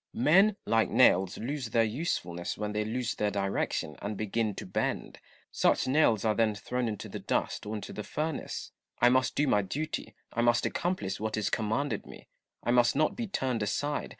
Cromioell. Men, like nails, lose their usefulness when they lose their direction and begin to bend : such nails are then thi'own into the dust or into the furnace. I must do my duty ; I must accomplish what is commanded me ; I must not be turned aside.